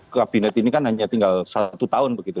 kabinet ini kan hanya tinggal satu tahun begitu